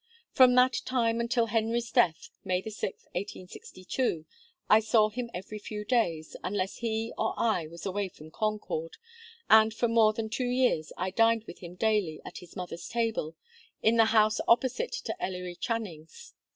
From that time until Henry's death, May 6, 1862, I saw him every few days, unless he or I was away from Concord, and for more than two years I dined with him daily at his mother's table, in the house opposite to Ellery Channing's.